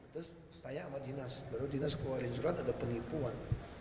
terus tanya sama dinas baru dinas keluarin surat ada penipuan